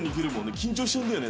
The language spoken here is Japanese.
緊張しちゃうんだよね